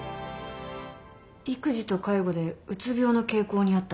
育児と介護でうつ病の傾向にあった。